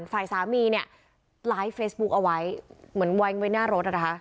ฝ่ายสามีเนี่ยไลฟ์เฟซบุ๊คเอาไว้เหมือนวางไว้หน้ารถนะคะ